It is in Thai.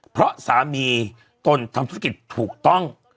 เพราะสามีตนทำธุรกิจถูกต้อง